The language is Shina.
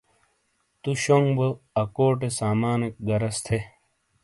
تُو شونگ بو اکوٹے سامانیک غرض تھے۔